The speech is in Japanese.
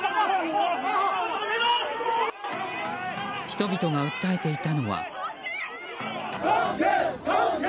人々が訴えていたのは。